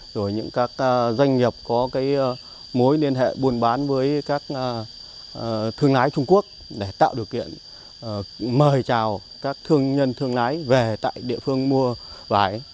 rồi những các doanh nghiệp có mối liên hệ buôn bán với các thương lái trung quốc để tạo điều kiện mời chào các thương nhân thương lái về tại địa phương mua vải